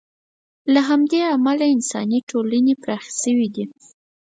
د همدې له امله انساني ټولنې پراخې شوې دي.